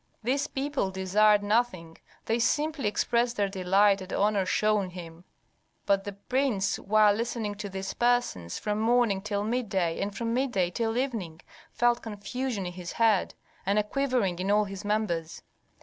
These people desired nothing, they simply expressed their delight at honor shown him. But the prince, while listening to these persons from morning till midday and from midday till evening, felt confusion in his head, and a quivering in all his members.